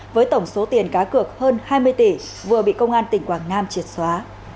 với tổng số tiền cá cược hơn hai mươi tỷ vừa bị công an tỉnh quảng nam triệt xóa